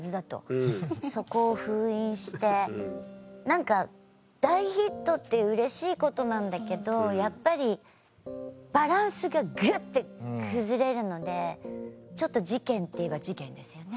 そこを封印して大ヒットってうれしいことなんだけどやっぱりバランスがグッて崩れるのでちょっと事件っていえば事件ですよね。